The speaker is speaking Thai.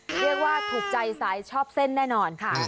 เรียกว่าถูกใจสายชอบเส้นแน่นอนค่ะ